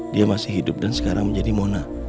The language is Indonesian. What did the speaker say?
dia masih hidup dan sekarang menjadi mona